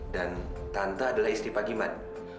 dan tante adalah istri pak giman